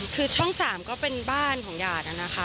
คือช่อง๓ก็เป็นบ้านของหยาดนะคะ